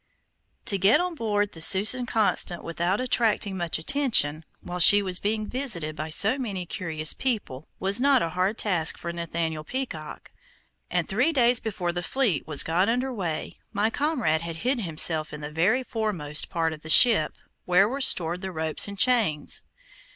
To get on board the Susan Constant without attracting much attention while she was being visited by so many curious people, was not a hard task for Nathaniel Peacock, and three days before the fleet was got under way, my comrade had hidden himself in the very foremost part of the ship, where were stored the ropes and chains.